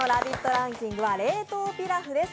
ランキングは冷凍ピラフです。